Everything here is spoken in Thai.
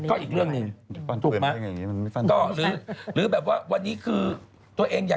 ก็อีกเรื่องหนึ่ง